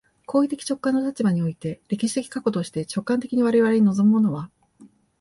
行為的直観の立場において、歴史的過去として、直観的に我々に臨むものは、